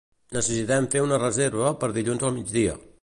Necessitem fer una reserva per dilluns al migdia.